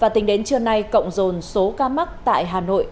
tính đến trưa nay cộng dồn số ca mắc tại hà nội